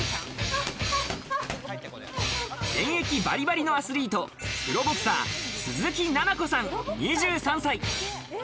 現役バリバリのアスリート、プロボクサー・鈴木なな子さん２３歳。